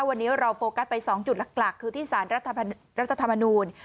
วันนี้เราโฟกัสไป๒จุดหลักคือที่สารรัฐธรรมนูล